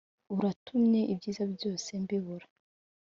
urantumye ibyiza byose mbibura